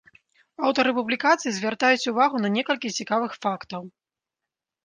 Аўтары публікацый звяртаюць увагу на некалькі цікавых фактаў.